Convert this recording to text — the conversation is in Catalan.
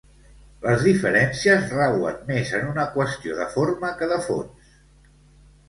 Les diferències rauen més en una qüestió de forma que de fons.